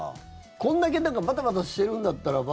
こんだけバタバタしてるんだったらば。